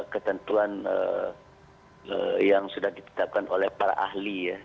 ketentuan yang sudah ditetapkan oleh para ahli ya